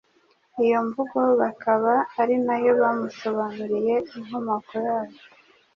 iyo mvugo bakaba ari na bo bamusobanuriye inkomoko yayo.